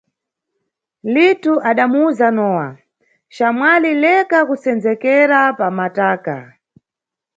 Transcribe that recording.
Litu adamuwuza Nowa: Xamwali, leka kusendzekera pamataka.